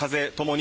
に